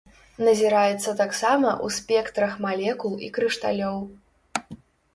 Назіраецца таксама ў спектрах малекул і крышталёў.